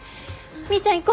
みーちゃん行こ。